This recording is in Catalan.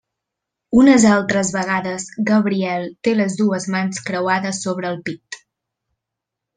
Unes altres vegades Gabriel té les dues mans creuades sobre el pit.